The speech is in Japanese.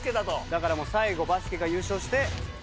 だからもう最後バスケが優勝して。